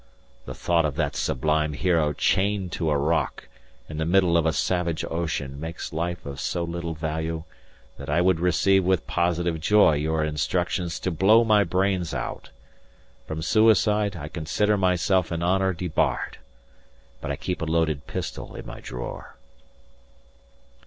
The thought of that sublime hero chained to a rock in the middle of a savage ocean makes life of so little value that I would receive with positive joy your instructions to blow my brains out. From suicide I consider myself in honour debarred. But I keep a loaded pistol in my drawer."